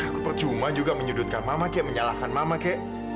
aku percuma juga menyudutkan mama kayak menyalahkan mama kayak